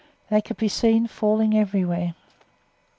They could be seen falling everywhere.